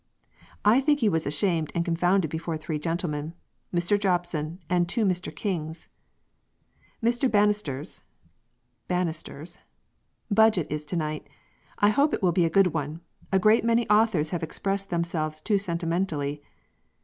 I think he was ashamed and confounded before 3 gentelman Mr. Jobson and 2 Mr. Kings." "Mr. Banesters" (Bannister's) "Budjet is to night; I hope it will be a good one. A great many authors have expressed themselves too sentimentally."